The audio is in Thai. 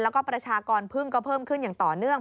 แล้วก็ประชากรพึ่งก็เพิ่มขึ้นอย่างต่อเนื่อง